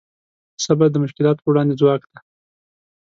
صبر د مشکلاتو په وړاندې ځواک دی.